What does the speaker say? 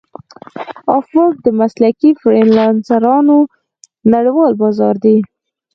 افورک د مسلکي فریلانسرانو نړیوال بازار دی.